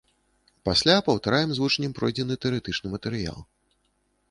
Пасля паўтараем з вучнем пройдзены тэарэтычны матэрыял.